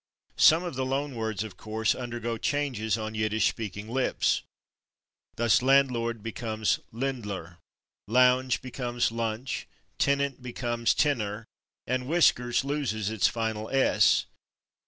Some of the loan words, of course, undergo changes on Yiddish speaking lips. Thus, /landlord/ becomes /lendler/, /lounge/ becomes /lunch/, /tenant/ becomes /tenner/, and /whiskers/ loses its final /s